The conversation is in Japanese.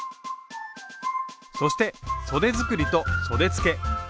そしてそで作りとそでつけ。